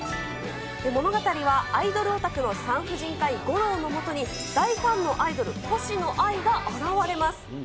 物語は、アイドルオタクの産婦人科医、ゴローのもとに大ファンのアイドル、星野アイが現れます。